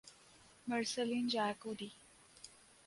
Marceline Jayakody.